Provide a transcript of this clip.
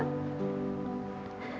semoga kamu cepat